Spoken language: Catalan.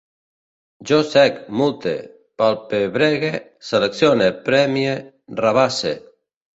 Jo sec, multe, palpebrege, seleccione, premie, rabasse